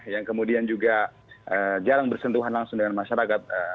yang kemudian juga jarang bersentuhan langsung dengan masyarakat